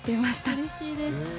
うれしいです。